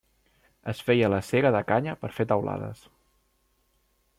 Es feia la sega de canya per fer teulades.